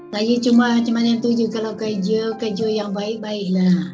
saya cuma cuma yang tuju kalau kerja kerja yang baik baiklah